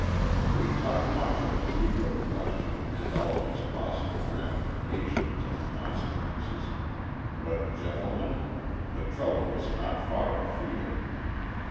We talk much of the Negro question and all of its possible ramifications and consequences, but, gentlemen, the trouble is not far afield.